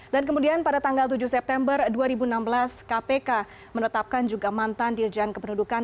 dan kemudian pada tanggal tujuh september dua ribu enam belas kpk menetapkan juga mantan dirjan keberdudukan